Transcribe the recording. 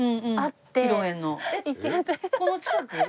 この近く？